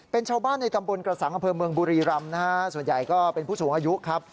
เพื่อเมืองบุรีรำส่วนใหญ่ก็เป็นผู้สูงอายุครับ